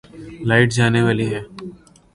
light جانے والی ہے